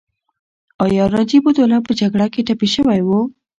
ایا نجیب الدوله په جګړه کې ټپي شوی و؟